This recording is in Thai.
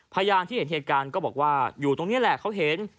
พยานที่เห็นเหตุการณ์ก็บอกว่าอยู่ตรงนี้แหละเขาเห็น